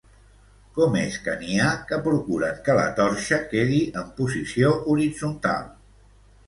Com és que n'hi ha que procuren que la torxa quedi en posició horitzontal?